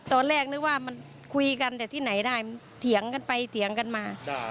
ตอนแรกนึกว่ามันคุยกันแต่ที่ไหนได้เถียงกันไปเถียงกันมา